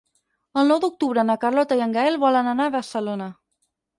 El nou d'octubre na Carlota i en Gaël volen anar a Barcelona.